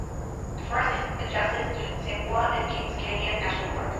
The forest is adjacent to Sequoia and Kings Canyon National Parks.